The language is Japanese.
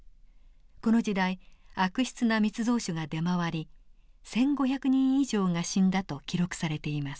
この時代悪質な密造酒が出回り１，５００人以上が死んだと記録されています。